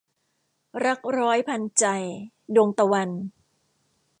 รักร้อยพันใจ - ดวงตะวัน